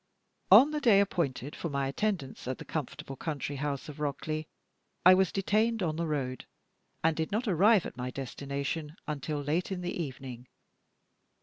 On the day appointed for my attendance at the comfortable country house of Rockleigh, I was detained on the road, and did not arrive at my destination until late in the evening.